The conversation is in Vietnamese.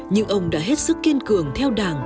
nhưng ông đã hết sức kiên cường theo đảng